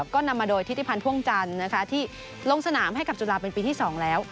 ก็นำมาโดยทิศิพันธ์พ่วงจันทร์ที่ลงสนามให้กับจุฬาเป็นปีที่๒แล้ว